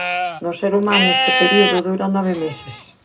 No ser humano este período dura nove meses.